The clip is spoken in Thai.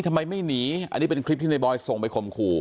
ทำไมไม่หนีอันนี้เป็นคลิปที่ในบอยส่งไปข่มขู่